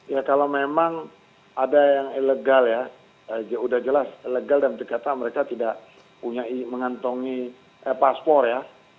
ya kalau memang ada yang ilegal ya sudah jelas ilegal dan terkata mereka tidak punya mengantongi paspor ya